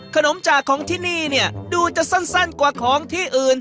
ขนมจากของที่นี่ดูจะสั้นกว่าของที่อื่น